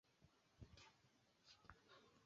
ambayo ni kweli nyepesi zaidi kuliko inaonekana